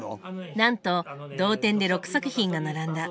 なんと同点で６作品が並んだ。